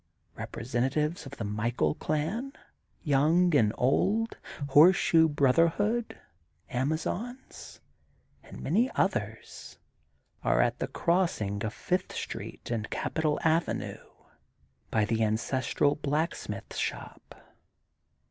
Representatives of the Michael Clan, young and old, Horseshoe Brotherhood, Amazons and many others are at the crossing of Fifth Street and Capital Avenue, by the ancestral Blacksmith Shop.